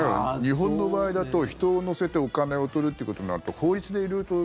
日本の場合だと人を乗せてお金を取るということになると法律で色々と。